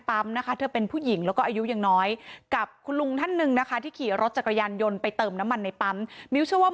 ไปเลยไปเลยอะไรละบอกเติมห้าสิบเพราะว่าหนุ่มนั้นยืดแปดสิบใช่ไหม